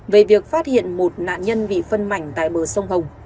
về việc phát hiện một nạn nhân bị phân mảnh tại bờ sông hồng